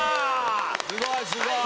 すごいすごい！